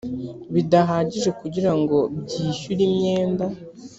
bidahagije kugira ngo byishyure imyenda